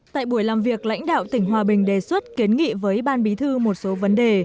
tại buổi làm việc lãnh đạo tỉnh hòa bình đề xuất kiến nghị với ban bí thư một số vấn đề